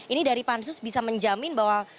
ini dari pansus bisa menjamin bahwa